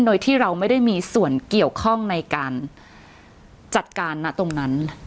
โดยที่เราไม่ได้มีส่วนเกี่ยวข้องในการจัดการนะตรงนั้น